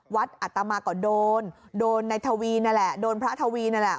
วัดอัตตามาก่อโดนโดนในทวีนแหละโดนพระทวีนแหละ